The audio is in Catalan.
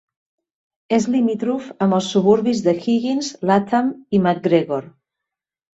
És limítrof amb els suburbis de Higgins, Latham i Macgregor.